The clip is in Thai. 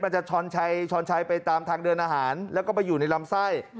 จะช้อนชัยไปตามทางเดินอาหารแล้วก็ไปอยู่ในลำไส้